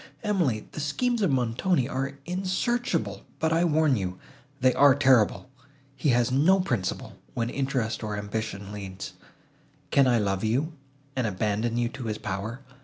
Emily! the schemes of Montoni are insearchable, but, I warn you, they are terrible; he has no principle, when interest, or ambition leads. Can I love you, and abandon you to his power?